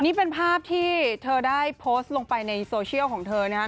นี่เป็นภาพที่เธอได้โพสต์ลงไปในโซเชียลของเธอนะครับ